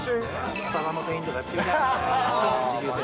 スタバの店員とかやってみたい。